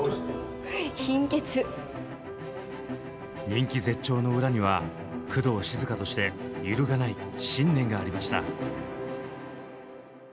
人気絶頂の裏には工藤静香として揺るがない信念がありました。